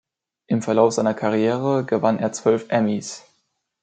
Im Verlauf seiner Karriere gewann er zwölf Emmys.